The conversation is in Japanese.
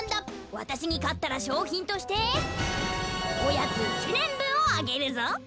わたしにかったらしょうひんとしておやつ１ねんぶんをあげるぞ。